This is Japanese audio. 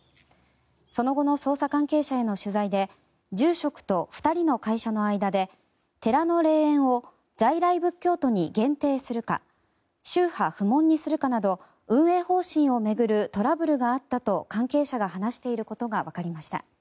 その後の捜査関係者への取材で住職と２人の会社の間で寺の霊園を在来仏教徒に限定するか宗派不問にするかなど運営方針を巡るトラブルがあったと関係者が話していることがわかりました。